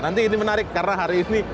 nanti ini menarik karena hari ini